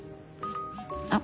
あっ。